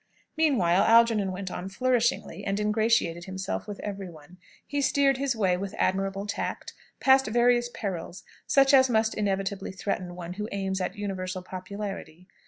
Meanwhile, Algernon went on flourishingly, and ingratiated himself with every one. He steered his way, with admirable tact, past various perils, such as must inevitably threaten one who aims at universal popularity.